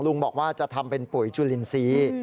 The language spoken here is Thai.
ลุงบอกว่าจะทำเป็นปุ๋ยจุลินทรีย์